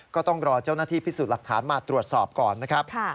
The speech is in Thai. ก็ต้องรอเจ้าหน้าที่พิสูจน์หลักฐานมาตรวจสอบก่อนนะครับ